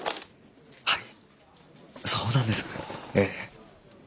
はいそうなんですええ。